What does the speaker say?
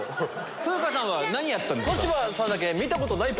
風花さんは何やったんですか？